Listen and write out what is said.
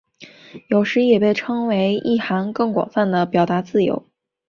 有时也被称为意涵更广泛的表达自由。